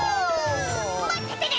まっててね！